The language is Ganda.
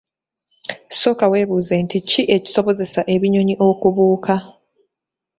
Sooka webuuze nti ki ekisobozesa ebinyonyi okubuuka?